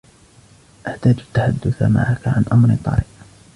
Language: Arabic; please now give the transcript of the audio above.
أحتاج التحدث معك عن أمر طارئ